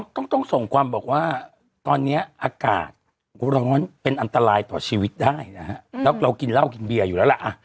ต้องส่งความบอกว่าตอนนี้อากาศร้อนเป็นอันตรายต่อชีวิตได้นะฮะแล้วเรากินเหล้ากินเบียร์อยู่แล้วล่ะ